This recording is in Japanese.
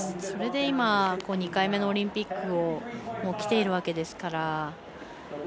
それで今、２回目のオリンピックに来ているわけですから。